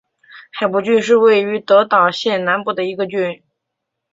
海部郡是位于德岛县南部的一郡。